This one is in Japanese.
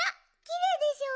きれいでしょ。